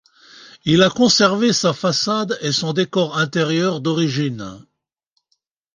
Il a conservé sa façade et son décor intérieur d'origine.